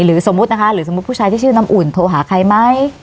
สมมุตินะคะหรือสมมุติผู้ชายที่ชื่อน้ำอุ่นโทรหาใครไหม